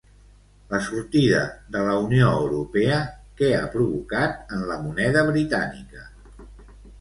La sortida de la Unió Europea, què ha provocat en la moneda britànica?